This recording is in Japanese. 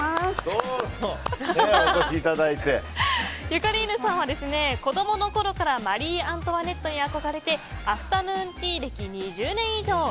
ゆかりーぬさんは子供のころからマリー・アントワネットに憧れてアフタヌーンティー歴２０年以上。